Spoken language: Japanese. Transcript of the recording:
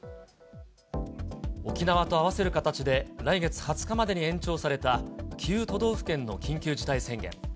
沖縄と合わせる形で、来月２０日までに延長された９都道府県の緊急事態宣言。